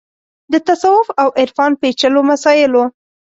د تصوف او عرفان پېچلو مسایلو